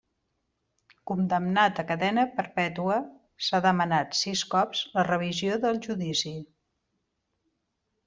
Condemnat a cadena perpètua, s'ha demanat sis cops la revisió del judici.